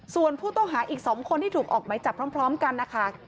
ส่วนผู้ต้องหาอีก๒คนที่ถูกออกไหมจับพร้อมกันนะคะ